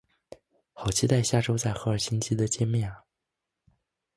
好期待下周在赫尔辛基的见面啊